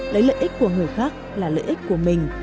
lấy lợi ích của người khác là lợi ích của mình